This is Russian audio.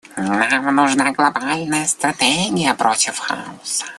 Нам нужна глобальная стратегия против хаоса.